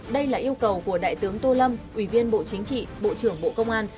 đây là yêu cầu của đại tướng tô lâm ủy viên bộ chính trị bộ trưởng bộ công an